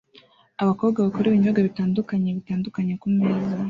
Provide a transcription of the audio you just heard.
Abakobwa bakora ibinyobwa bitandukanye bitandukanye kumeza